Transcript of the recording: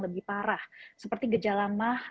lebih parah seperti gejala